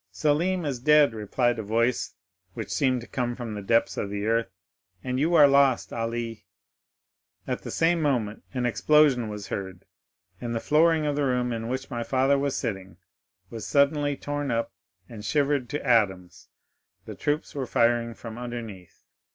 '—'Selim is dead,' replied a voice which seemed to come from the depths of the earth, 'and you are lost, Ali!' At the same moment an explosion was heard, and the flooring of the room in which my father was sitting was suddenly torn up and shivered to atoms—the troops were firing from underneath.